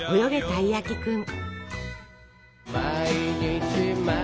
たいやきくん」。